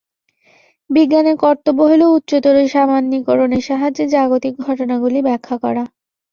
বিজ্ঞানের কর্তব্য হইল উচ্চতর সামান্যীকরণের সাহায্যে জাগতিক ঘটনাগুলি ব্যাখ্যা করা।